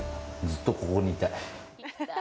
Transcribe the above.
ずっとここにいたい。